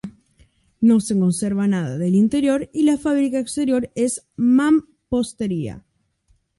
No se conserva nada del interior y la fábrica exterior es de mampostería.